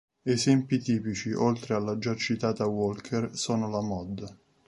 Esempi tipici, oltre alla già citata "Walker", sono la mod.